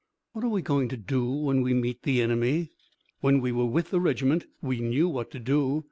"What are we going to do when we meet the enemy? When we were with the regiment, we knew what to do....